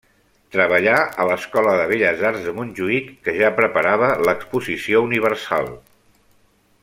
Treballà a l’Escola de Belles Arts de Montjuïc que ja preparava l’Exposició Universal.